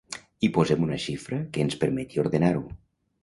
Hi posem una xifra que ens permeti ordenar-ho.